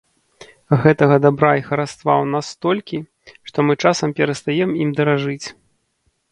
Гэтага дабра і хараства ў нас столькі, што мы часам перастаем ім даражыць.